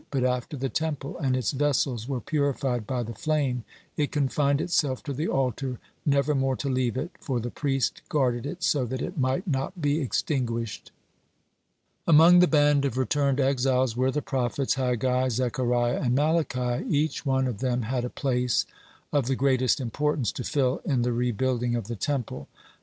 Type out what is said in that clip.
But after the Temple and its vessels were purified by the flame, it confined itself to the altar never more to leave it, for the priest guarded it so that it might not be extinguished. (30) Among the band of returned exiles were the prophets Haggai, Zechariah, and Malachi. Each one of them had a place of the greatest importance to fill in the rebuilding of the Temple.